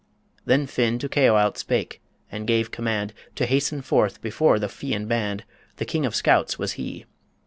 Then Finn to Caoilte spake, and gave command To hasten forth before the Fian band The King of Scouts was he!